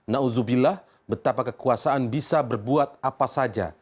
naudzubillah betapa kekuasaan bisa berbuat apa saja